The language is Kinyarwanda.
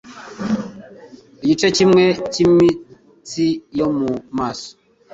igice kimwe cy'imitsi yo mu maso